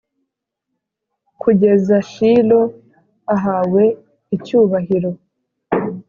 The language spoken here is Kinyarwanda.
Kugeza shilo ahawe icyubahiro